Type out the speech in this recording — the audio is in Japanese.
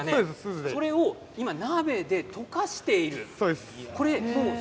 それを今、鍋で溶かしている。